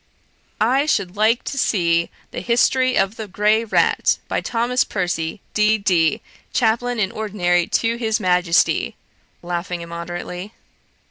I should like to see The History of the Grey Rat, by Thomas Percy, D.D., Chaplain in Ordinary to His Majesty,' (laughing immoderately).